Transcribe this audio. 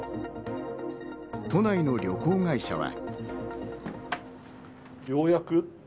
都内の旅行会社は。